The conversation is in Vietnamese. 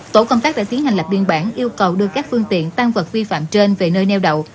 tổ công tác đã tiến hành lập biên bản yêu cầu đưa các phương tiện tan vật vi phạm trên về nơi neo đậu